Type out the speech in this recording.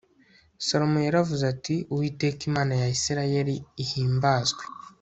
salomo yaravuze ati uwiteka imana ya isirayeli ihimbazwe